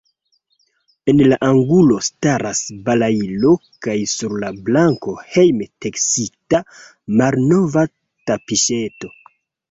En la angulo staras balailo kaj sur la planko hejmteksita malnova tapiŝeto.